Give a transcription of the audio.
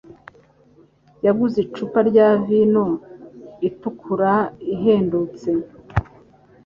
yaguze icupa rya vino itukura ihendutse.